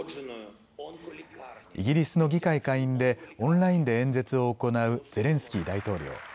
イギリスの議会下院でオンラインで演説を行うゼレンスキー大統領。